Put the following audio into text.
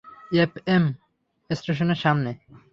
FM স্টেশনের সামনে।